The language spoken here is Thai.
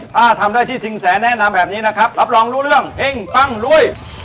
ถ้าทำได้ที่สินแสแนะนำแบบนี้นะครับรับรองรู้เรื่องเฮ่งปั้งรวย